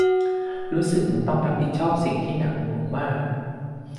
รู้สึกเหมือนต้องรับผิดชอบสิ่งที่หนักหน่วงมาก